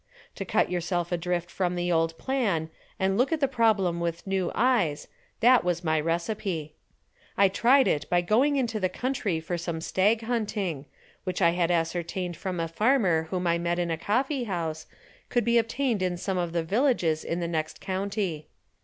To cut yourself adrift from the old plan and look at the problem with new eyes that was my recipe. I tried it by going into the country for some stag hunting, which I had ascertained from a farmer whom I met in a coffee house, could be obtained in some of the villages in the next county.